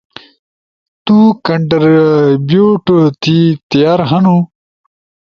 تُو کانٹریبیٹو تی تیار ہنُو؟